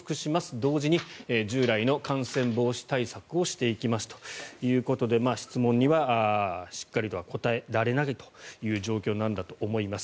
同時に従来の感染防止対策をしていきますということで質問にはしっかりとは答えられないという状況なんだと思います。